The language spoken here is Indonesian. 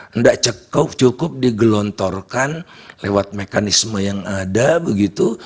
tidak cukup cukup digelontorkan lewat mekanisme yang ada begitu